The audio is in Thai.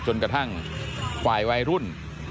จนกระทั่งฝ่ายวัยรุ่น